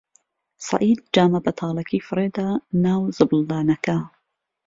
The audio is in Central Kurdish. سەعید جامە بەتاڵەکەی فڕێ دا ناو زبڵدانەکە.